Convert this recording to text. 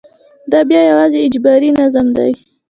دا بیا یوازې اجباري نظم دی.